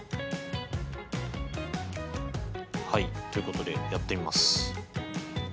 はいということでやってみます。